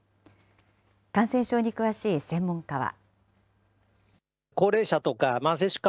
感染症に詳しい専門家は。